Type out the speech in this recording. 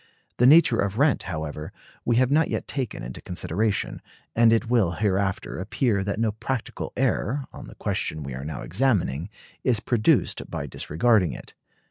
The nature of rent, however, we have not yet taken into consideration; and it will hereafter appear that no practical error, on the question we are now examining, is produced by disregarding it.